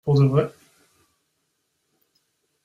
Pour de vrai ?